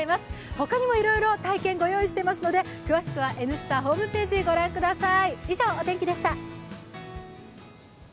他にもいろいろ体験ご用意していますので詳しくは「Ｎスタ」ホームページをご覧ください。